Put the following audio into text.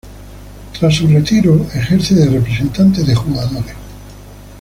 Tras su retiro ejerce de representante de jugadores.